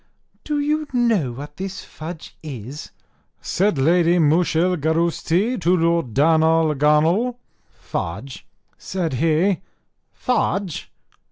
"Do you know what this fudge is?" said Lady Mooshilgarousti to Lord Darnarlaganl. "Fudge!" said he, "Fudge!